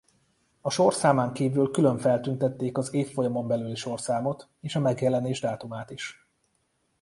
A sorszámán kívül külön feltüntették az évfolyamon belüli sorszámot és a megjelenés dátumát is.